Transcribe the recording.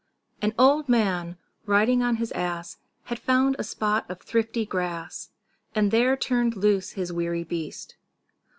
An old man, riding on his ass, Had found a spot of thrifty grass, And there turn'd loose his weary beast.